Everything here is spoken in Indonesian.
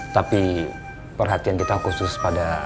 tapi perhatian kita khusus pada